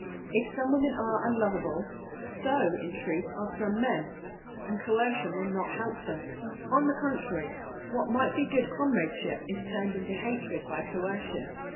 If some women are unlovable, so, in truth, are some men, and coercion will not help them. On the contrary; what might be good comradeship is turned into hatred by coercion.